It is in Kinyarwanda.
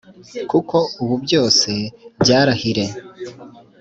kuko ubu byose byarahire